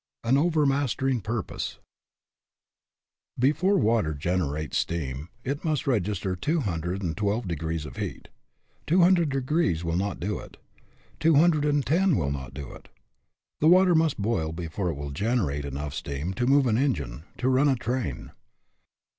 AN OVERMASTERING PURPOSE EFORE water generates steam, it must register two hundred and twelve degrees of heat. Two hun dred degrees will not do it; two hundred and ten will not do it. The water must boil before it will generate enough steam to move an engine, to run a train.